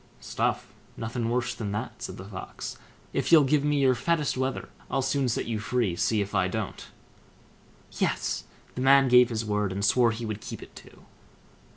"Stuff, nothing worse than that", said the Fox; "if you'll give me your fattest wether, I'll soon set you free; see if I don't." Yes! the man gave his word, and swore he would keep it too.